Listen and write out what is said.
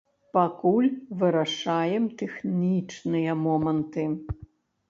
Пакуль вырашаем тэхнічныя моманты.